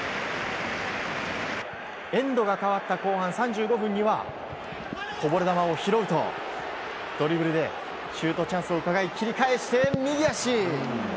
エンドが変わった後半３５分にはこぼれ球を拾うとドリブルでシュートチャンスをうかがい切り返して右足！